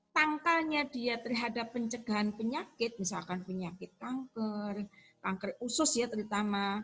tangkalnya dia terhadap pencegahan penyakit misalkan penyakit kanker kanker usus ya terutama